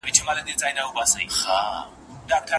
یو پر بل یې جوړه کړې کربلا وه